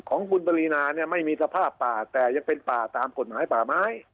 ของคุณปรินาเนี่ยไม่มีสภาพป่าแต่ยังเป็นป่าตามกฎหมายป่าไม้